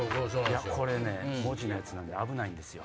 これね文字のやつなんで危ないんですよ。